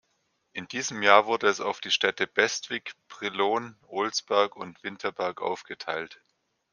In diesem Jahr wurde es auf die Städte Bestwig, Brilon, Olsberg und Winterberg aufgeteilt.